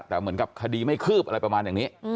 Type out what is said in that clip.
แต่เหมือนกับคดีไม่คืบอะไรประมาณอย่างนี้